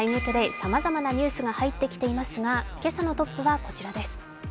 さまざまなニュースが入ってきていますが今朝のトップはこちらです。